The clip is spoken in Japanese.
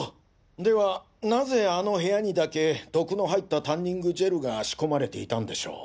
では何故あの部屋にだけ毒の入ったタンニングジェルが仕込まれていたんでしょう？